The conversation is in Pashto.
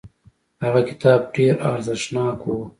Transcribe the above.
هغه کتاب ډیر ارزښتناک و.